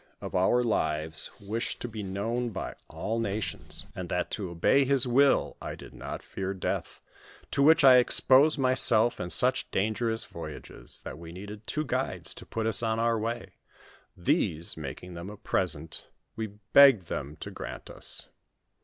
1$ lives wished to be known by all nations, and that to obey his will, I did not fear death, to which I exposed myself in such dangerous voyages ; that we needed two guides to put us on our way, these, making them a present, we begged them to grant us.